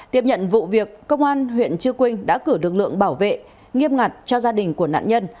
tiếp nhận vụ việc công an huyện chư quynh đã cử lực lượng bảo vệ nghiêm ngặt cho gia đình của nạn nhân